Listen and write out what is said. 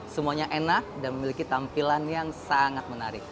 semuanya enak dan memiliki tampilan yang sangat menarik